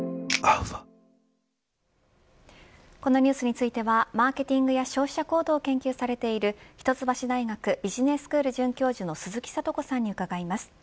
このニュースについてはマーケティングや消費者行動を研究されている一橋大学ビジネススクール准教授の鈴木智子さんに伺います。